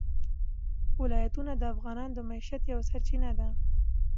ولایتونه د افغانانو د معیشت یوه سرچینه ده.